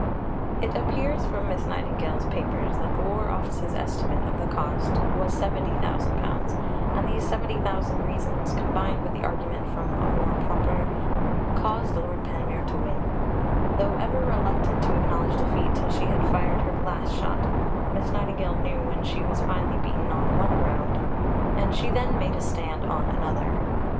" It appears from Miss Nightingale's papers that the War Office's estimate of the cost was £70,000; and these 70,000 reasons, combined with the argument from amour propre, caused Lord Panmure to win. Though ever reluctant to acknowledge defeat till she had fired her last shot, Miss Nightingale knew when she was finally beaten on one ground and she then made a stand on another.